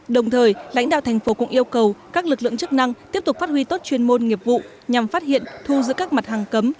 đồng thời lãnh đạo thành phố cũng yêu cầu các lực lượng chức năng tiếp tục phát huy tốt chuyên môn nghiệp vụ nhằm phát hiện thu giữ các mặt hàng cấm